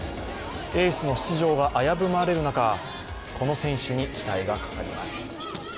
エースの出場が危ぶまれる中、この選手に期待がかかります。